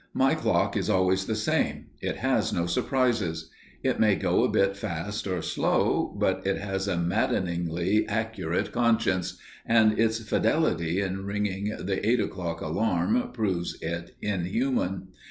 My clock is always the same; it has no surprises. It may go a bit fast or slow, but it has a maddeningly accurate conscience, and its fidelity in ringing the eight o'clock alarm proves it inhuman.